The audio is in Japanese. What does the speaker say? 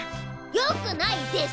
良くないです！